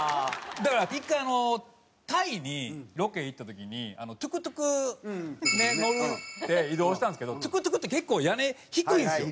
だから１回タイにロケ行った時にトゥクトゥク乗って移動したんですけどトゥクトゥクって結構屋根低いんですよ。